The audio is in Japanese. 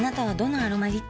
「アロマリッチ」